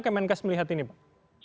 kemenkes melihat ini pak